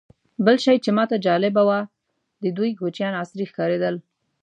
بل شی چې ماته جالبه و، د دوی کوچیان عصري ښکارېدل.